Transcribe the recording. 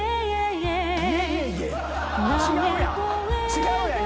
違うやん。